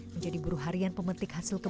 menjadi buruh harian pemetik hasil keputusan